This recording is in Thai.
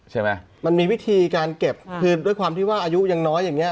มันมีวิธีการเก็บคือด้วยความที่ว่าอายุยังน้อยอย่างเงี้